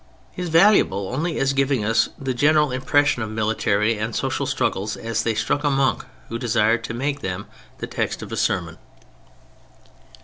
He is valuable only as giving us the general impression of military and social struggles as they struck a monk who desired to make them the text of a sermon.